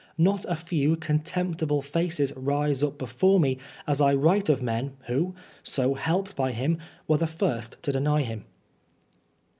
Not a few contemptible faces rise up before me as I write of men who, so helped by him, were the first to deny him.